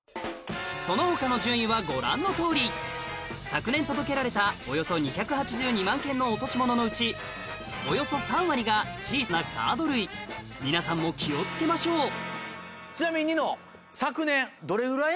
その他の順位はご覧のとおり昨年届けられたおよそ２８２万件の落とし物のうちおよそ３割が小さなカード類皆さんも気を付けましょうちなみにニノ。